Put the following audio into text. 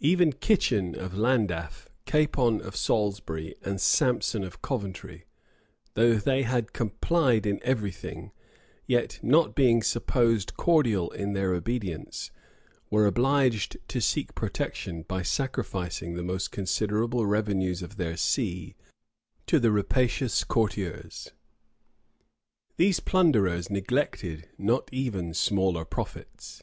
Even Kitchen of Landaff, Capon of Salisbury, and Samson of Coventry, though they had complied in every thing, yet, not being supposed cordial in their obedience, were obliged to seek protection, by sacrificing the most considerable revenues of their see to the rapacious courtiers.[] These plunderers neglected not even smaller profits.